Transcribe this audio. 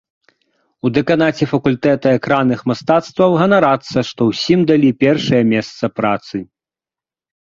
У дэканаце факультэта экранных мастацтваў ганарацца, што ўсім далі першае месца працы.